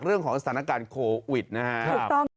เรื่องของสถานการณ์โควิดนะครับ